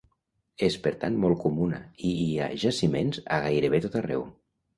És per tant molt comuna i hi ha jaciments a gairebé tot arreu.